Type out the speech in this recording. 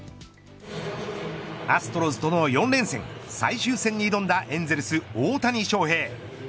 アストロズとの４連戦最終戦に挑んだエンゼルス大谷翔平。